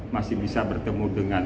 masih bisa bertemu dengan